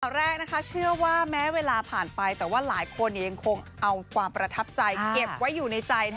แรกนะคะเชื่อว่าแม้เวลาผ่านไปแต่ว่าหลายคนยังคงเอาความประทับใจเก็บไว้อยู่ในใจ